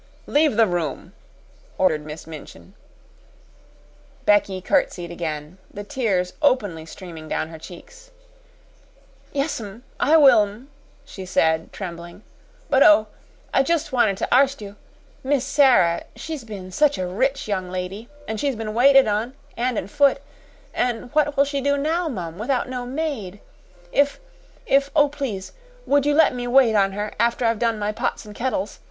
"Leave the room!" ordered Miss Minchin. Becky curtsied again, the tears openly streaming down her cheeks. "Yes, 'm; I will, 'm," she said, trembling; "but oh, I just wanted to arst you: Miss Sara she's been such a rich young lady, an' she's been waited on, 'and and foot; an' what will she do now, mum, without no maid? If if, oh please, would you let me wait on her after I've done my pots an' kettles?